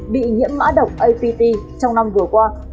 bị nhiễm mã độc apt trong năm vừa qua